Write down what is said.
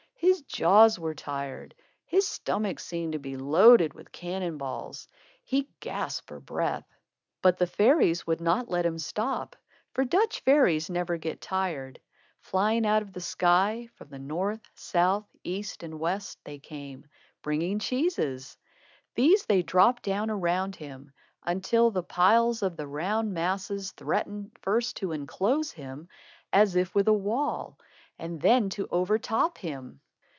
His jaws were tired. His stomach seemed to be loaded with cannon balls. He gasped for breath. But the fairies would not let him stop, for Dutch fairies never get tired. Flying out of the sky from the north, south, east and west they came, bringing cheeses. These they dropped down around him, until the piles of the round masses threatened first to enclose him as with a wall, and then to overtop him.